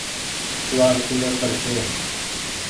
ٽووآل ڪولي پر ڇي۔